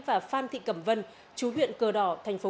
và phan thị cẩm vân chú huyện cờ đỏ